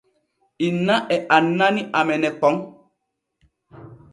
Inna e annani amene kon.